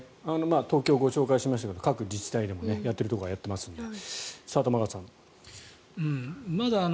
東京、ご紹介しましたが各自治体でもやっているところはやっていますので、玉川さん。